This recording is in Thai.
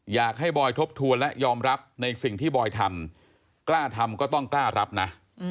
อยากให้บอยทบทวนและยอมรับในสิ่งที่บอยทำกล้าทำก็ต้องกล้ารับนะ